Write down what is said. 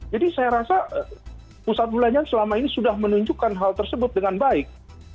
jadi saya rasa pusat perbelanjaan selama ini sudah menunjukkan hal tersebut dengan baik